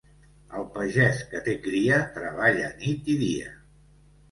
El pagès que té cria, treballa nit i dia.